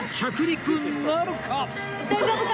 大丈夫か？